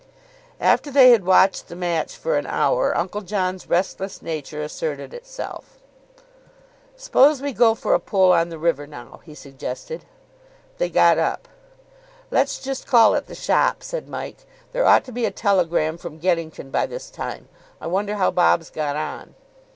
After they had watched the match for an hour, Uncle John's restless nature asserted itself. "Suppose we go for a pull on the river now?" he suggested. They got up. "Let's just call at the shop," said Mike. "There ought to be a telegram from Geddington by this time. I wonder how Bob's got on."